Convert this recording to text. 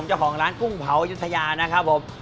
เจ้าของร้านกุ้งเผายุธยานะครับผม